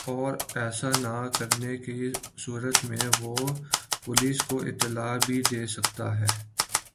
اور ایسا نہ کرنے کی صورت میں وہ پولیس کو اطلاع بھی دے سکتا ہے